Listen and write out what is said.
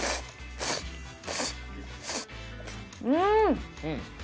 うん！